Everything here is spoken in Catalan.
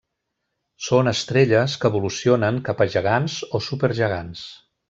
Són estrelles que evolucionen cap a gegants o supergegants.